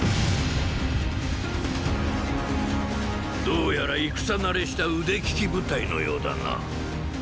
どうやら戦慣れした腕利き部隊のようだな。